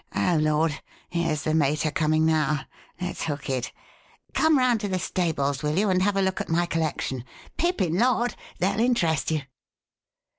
Oh, Lord! here's the mater coming now. Let's hook it. Come round to the stables, will you, and have a look at my collection. Pippin' lot they'll interest you."